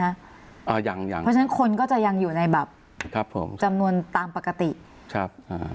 เพราะฉะนั้นยังยังเพราะฉะนั้นคนก็จะยังอยู่ในแบบครับผมจำนวนตามปกติครับอ่า